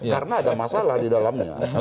karena ada masalah di dalamnya